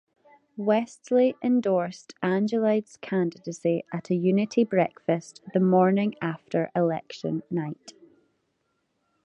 Westly endorsed Angelides' candidacy at a unity breakfast the morning after election night.